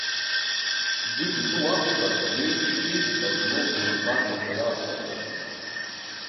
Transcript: Гыд итәы уақәшәар, иеиԥш чеиџьыка змоу дубашам ҳәа иалацәажәоит.